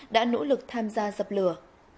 đã nỗ lực tham gia dập lửa